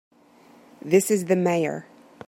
This is the Mayor.